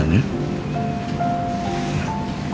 sarapan dulu yuk